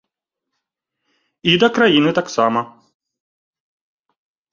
І да краіны таксама.